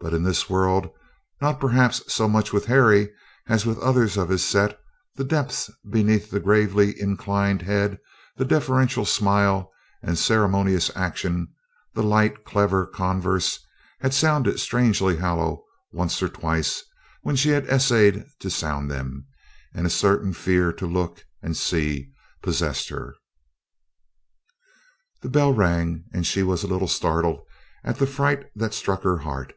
But in this world, not perhaps so much with Harry as with others of his set, the depths beneath the gravely inclined head, the deferential smile and ceremonious action, the light clever converse, had sounded strangely hollow once or twice when she had essayed to sound them, and a certain fear to look and see possessed her. The bell rang, and she was a little startled at the fright that struck her heart.